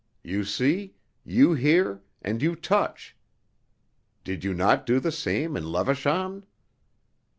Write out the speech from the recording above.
You see, you hear and touch; did you not do the same in Levachan?"